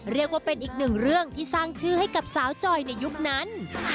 เรียกว่าเป็นอีกหนึ่งเรื่องที่สร้างชื่อให้กับสาวจอยในยุคนั้น